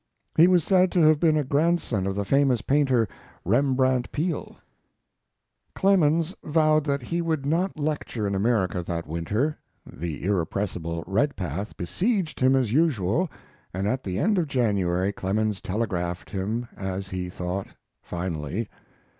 He was said to have been a grandson of the famous painter, Rembrandt Peale. Clemens vowed that he would not lecture in America that winter. The irrepressible Redpath besieged him as usual, and at the end of January Clemens telegraphed him, as he thought, finally.